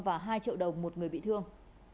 và hai triệu đồng một người bị thương